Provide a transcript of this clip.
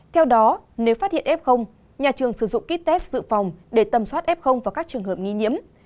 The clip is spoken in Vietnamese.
theo đó nếu phát hiện f nhà trường sử dụng kýt test dự phòng để tầm soát f và các trường hợp nghi nhiễm